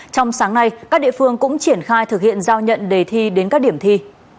trong sáng nay các địa phương cũng triển khai thực hiện giao nhận đề thi đến các điểm thi